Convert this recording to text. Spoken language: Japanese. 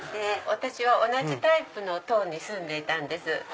私は同じタイプの棟に住んでいたんです。